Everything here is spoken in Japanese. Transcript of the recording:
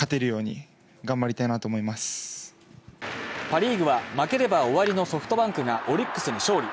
パ・リーグは負ければ終わりのソフトバンクがオリックスに勝利。